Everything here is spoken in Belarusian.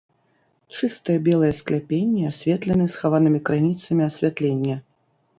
Чыстыя белыя скляпенні асветлены схаванымі крыніцамі асвятлення.